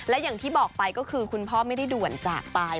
และอย่างที่บอกไปก็คือคุณพ่อไม่ได้ด่วนจากไป